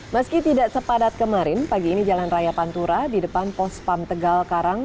meski tidak sepadat kemarin pagi ini jalan raya pantura di depan pos pam tegal karang